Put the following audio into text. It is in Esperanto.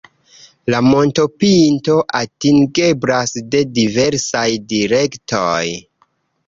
La montopinto atingeblas de diversaj direktoj.